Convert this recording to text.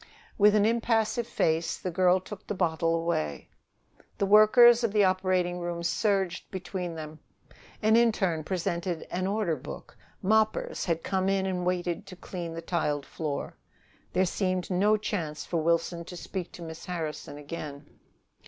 With an impassive face, the girl took the bottle away. The workers of the operating room surged between them. An interne presented an order book; moppers had come in and waited to clean the tiled floor. There seemed no chance for Wilson to speak to Miss Harrison again.